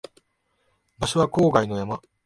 場所は郊外の山